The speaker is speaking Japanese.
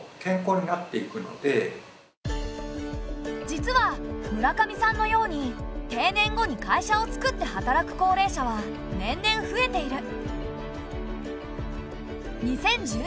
実は村上さんのように定年後に会社をつくって働く高齢者は年々増えている。